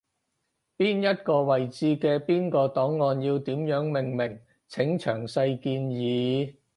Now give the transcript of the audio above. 邊一個位置嘅邊個檔案要點樣命名，請詳細建議